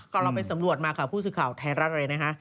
เราไปสำรวจมาค่ะผู้สื่อข่าวไทยรัฐเลยนะคะ